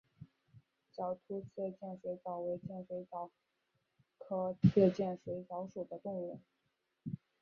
角突刺剑水蚤为剑水蚤科刺剑水蚤属的动物。